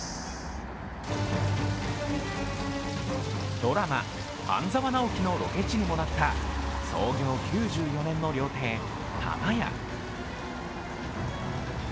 ドラマ「半沢直樹」のロケ地にもなった創業９４年の料亭、玉家。